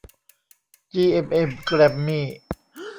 จีเอ็มเอ็ม แกรมมี่